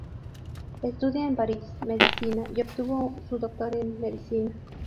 Estudia en París, Medicina y obtuvo su doctor en Medicina.